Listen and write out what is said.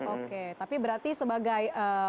oke tapi berarti sebagai